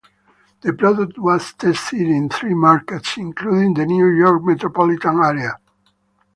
The product was tested in three markets including the New York Metropolitan area.